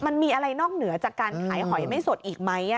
มันมีอะไรนอกเหนือจากการขายหอยไม่สดอีกไหม